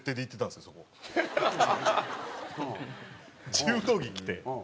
柔道着着て。